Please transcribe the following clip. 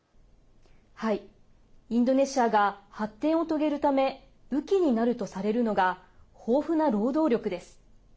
インドネシアが発展を遂げるため武器になるとされるのが豊富な労働力です。